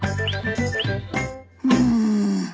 うん。